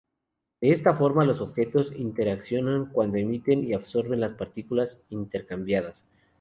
De esta forma, los objetos interaccionan cuando emiten y absorben las partículas intercambiadas.